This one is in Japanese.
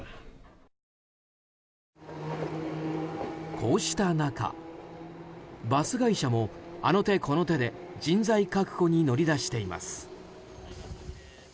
こうした中、バス会社もあの手この手で人材確保に乗り出しています。